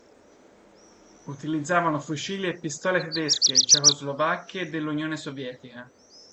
Utilizzavano fucili e pistole tedesche, cecoslovacche e dell'Unione Sovietica.